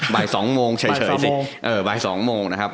บ่าย๒โมงเฉยสิ